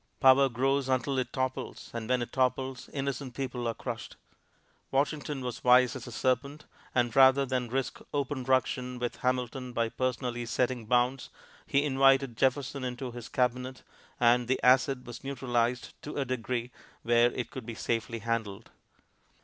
Power grows until it topples, and when it topples, innocent people are crushed. Washington was wise as a serpent, and rather than risk open ruction with Hamilton by personally setting bounds, he invited Jefferson into his cabinet, and the acid was neutralized to a degree where it could be safely handled.